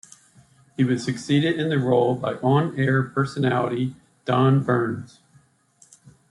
He was succeeded in the role by on-air personality Don Berns.